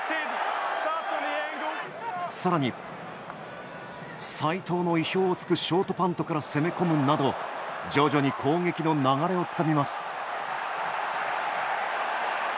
さらに、齋藤の意表をつくショートパントから攻め込むなど徐々に攻撃の流れをつかみます。